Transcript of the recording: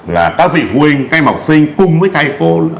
là các vị phụ huynh các em học sinh cùng với thầy cô